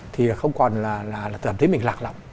thì không còn là tưởng thấy mình lạc lỏng